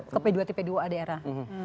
ke p dua tpa daerah